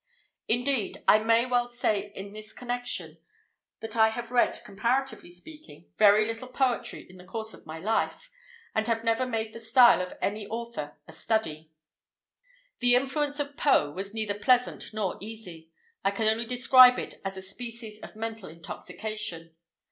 Indeed, I may well say in this connection, that I have read, comparatively speaking, very little poetry in the course of my life, and have never made the style of any author a study. The influence of Poe was neither pleasant nor easy. I can only describe it as a species of mental intoxication.